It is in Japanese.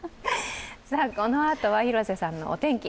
このあとは、広瀬さんのお天気。